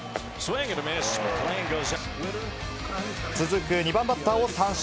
続く２番バッターを三振。